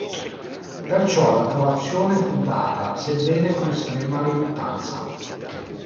Perciò l'approvazione fu data, sebbene con estrema riluttanza.